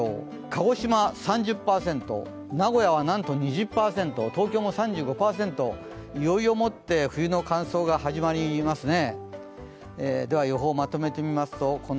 鹿児島、３０％、名古屋はなんと２０％東京も３５％、いよいよもって冬の乾燥が始まりますね。